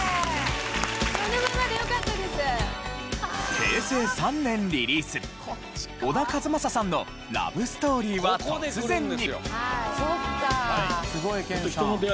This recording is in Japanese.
平成３年リリース小田和正さんの『ラブ・ストーリーは突然に』。